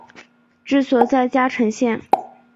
治所在嘉诚县。